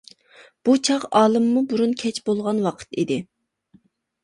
بۇ چاغ ئالىممۇ بۇرۇن كەچ بولغان ئىدى.